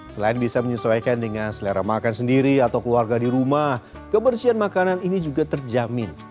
selain bisa menyesuaikan dengan selera makan sendiri atau keluarga di rumah kebersihan makanan ini juga terjamin